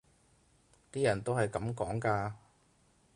啲人都係噉講㗎